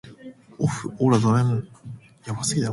おっふオラドラえもん